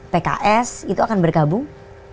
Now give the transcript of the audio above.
pks itu akan bergabung